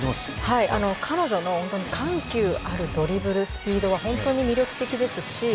彼女の緩急あるドリブルのスピードは本当に魅力的ですし。